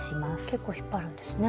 結構引っ張るんですね。